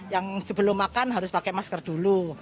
yang sebelum makan harus pakai masker dulu